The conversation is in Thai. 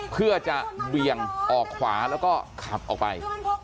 เพื่อจะเบี่ยงออกขวาแล้วก็ขับออกไป